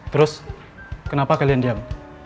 terus kenapa kalian diam